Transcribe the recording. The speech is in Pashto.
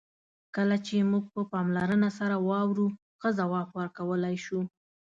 کله چې موږ په پاملرنه سره واورو، ښه ځواب ورکولای شو.